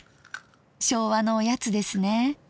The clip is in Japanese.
昭和のおやつですね。